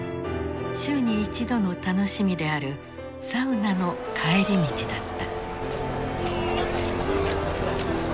週に一度の楽しみであるサウナの帰り道だった。